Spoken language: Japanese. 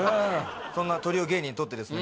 そんなトリオ芸人にとってですね